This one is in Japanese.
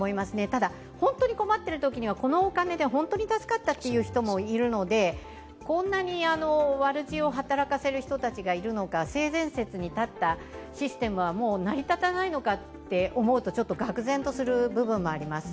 ただ、本当に困っているときにはこのお金で本当に助かったという人もいるのでこんなに悪知恵を働かせる人がいるのか、性善説に立ったシステムは、もう成り立たないのかと思うとちょっとがく然とする部分もあります。